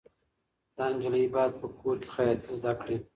دا نجلۍ باید په کور کې خیاطي زده کړي.